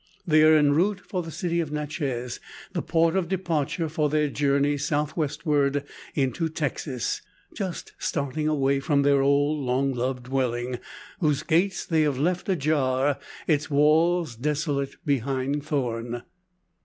They are en route for the city of Natchez, the port of departure for their journey south westward into Texas; just starting away from their old long loved dwelling, whose gates they have left ajar, its walls desolate behind thorn.